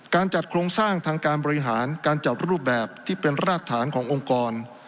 การจัดโครงสร้างทางการบริหารการจัดรูปแบบที่เป็นรากฐานขององค์กร